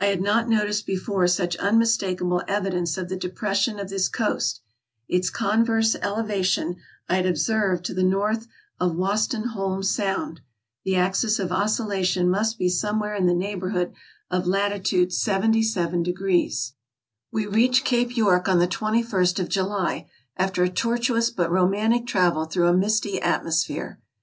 I had not noticed before such unmistakable evidence of the depression of this coast; its converse elevation I had observed to the north of Wostenholme Sound. The axis of oscillation must be somewhere in the neighborhood of latitude 77 °. We reached Cape York on the twenty first of July, after a tortuous but romantic travel through a misty atmosphere.